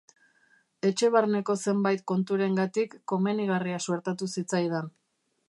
Etxe-barneko zenbait konturengatik, komenigarria suertatu zitzaidan.